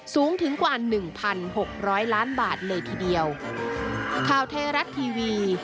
สูงถึงกว่า๑๖๐๐ล้านบาทเลยทีเดียว